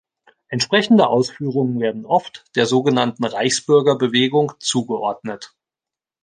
Entsprechende Ausführungen werden oft der sogenannten Reichsbürgerbewegung zugeordnet.